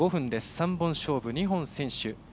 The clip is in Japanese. ３本勝負２本先取。